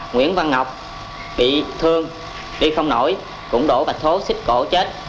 nguyễn văn ngọc bị thương đi không nổi cũng đỗ bạch thố xích cổ chết